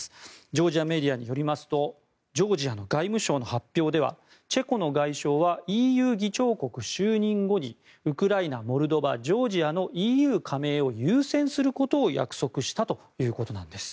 ジョージアメディアによりますとジョージアの外務省の発表ではチェコの外相はＥＵ議長国就任後にウクライナ、モルドバジョージアのＥＵ加盟を優先することを約束したということです。